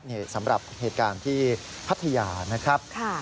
นี่สำหรับเหตุการณ์ที่พัทยานะครับ